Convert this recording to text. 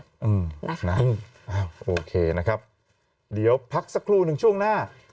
อืมนะโอเคนะครับเดี๋ยวพักสักครู่หนึ่งช่วงหน้า